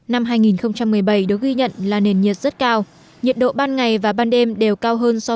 năm hai nghìn một mươi bảy được ghi nhận là nền nhiệt rất cao nhiệt độ ban ngày và ban đêm đều cao hơn so với